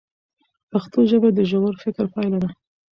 پښتو ژبه د ژور فکر پایله ده.